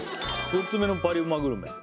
４つ目のパリうまグルメ